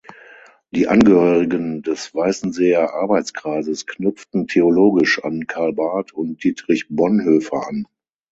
Die Angehörigen des Weißenseer Arbeitskreises knüpften theologisch an Karl Barth und Dietrich Bonhoeffer an.